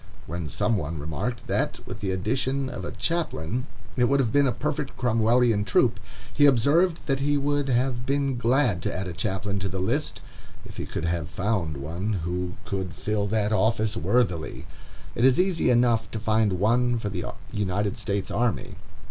When some one remarked that, with the addition of a chaplain, it would have been a perfect Cromwellian troop, he observed that he would have been glad to add a chaplain to the list, if he could have found one who could fill that office worthily. It is easy enough to find one for the United States army.